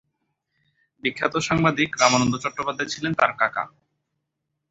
বিখ্যাত সাংবাদিক রামানন্দ চট্টোপাধ্যায় ছিলেন তার কাকা।